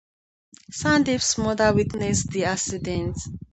Sandeep's mother witnessed the accident.